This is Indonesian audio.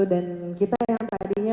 dan kita yang tadinya